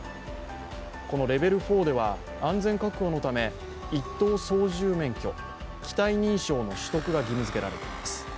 レベル４では安全確保のため一等操縦免許機体認証の取得が義務づけられています。